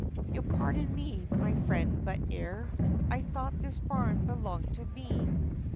You'll pardon me, my friend, but 'ere, I thought, this barn belonged to me!